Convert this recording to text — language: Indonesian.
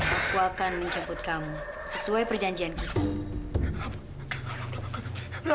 aku akan menjemput kamu sesuai perjanjian kita